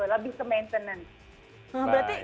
lebih ke maintenance